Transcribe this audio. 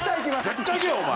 絶対いけよお前！